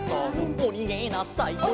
「おにげなさい」